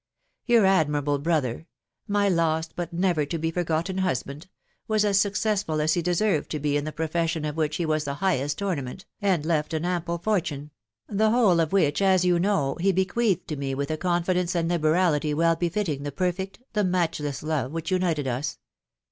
€S Your admirable brother .... my lost but never to be forgotten husband •••. was as successful as he deserved to be in the profession of which he was the highest ornament, and left an ample fortune, — the whole of which, as you know, he bequeathed to me with a confidence and liberality well befitting the perfect, the matchless love, whioh united us.